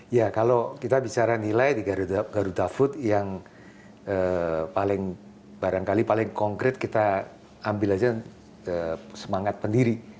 ya kalau kita bicara nilai di garuda food yang paling barangkali paling konkret kita ambil saja semangat pendiri